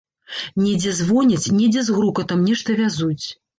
Недзе звоняць, недзе з грукатам нешта вязуць.